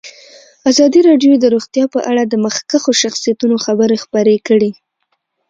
ازادي راډیو د روغتیا په اړه د مخکښو شخصیتونو خبرې خپرې کړي.